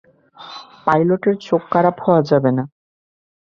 পাইলটের চোখ খারাপ হওয়া যাবে না!